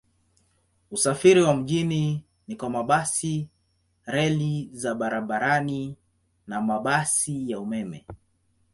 Usafiri wa mjini ni kwa mabasi, reli za barabarani na mabasi ya umeme.